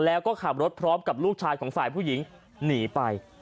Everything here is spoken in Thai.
แล้วก็ขับรถพร้อมกับลูกชายของฝ่ายผู้หญิงหนีไป